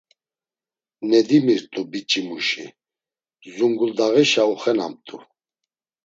Nedimirt̆u, biç̌imuşi, Zunguldağişa uxenamt̆u.